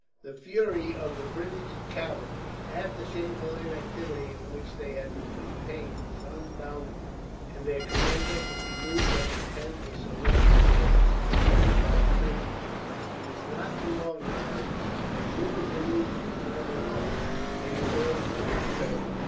The fury of the British cavalry, at the shameful inactivity in which they had been maintained, was unbounded; and their commander, if he moved from his tent, was saluted with hisses and jeers by the troopers. It was not for long, however; for as soon as the news was known at home, he was ordered to return.